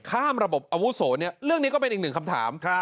ข้ามระบบอาวุโสเนี่ยเรื่องนี้ก็เป็นอีกหนึ่งคำถาม